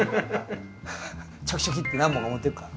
チョキチョキって何本か持ってくから。